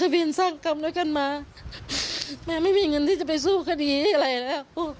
ฟังสิแม่นะคะ